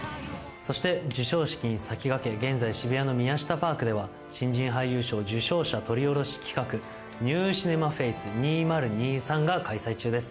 そして授賞式に先駆け現在、渋谷のＭＩＹＡＳＨＩＴＡＰＡＲＫでは新人俳優賞受賞者、撮り下ろし企画「ＮＥＷＣＩＮＥＭＡＦＡＣＥ２０２３」が開催中です。